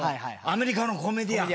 アメリカのコメディアン。